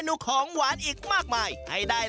โรงโต้งคืออะไร